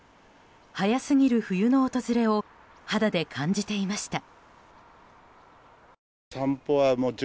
早すぎる冬の訪れを肌で感じていました。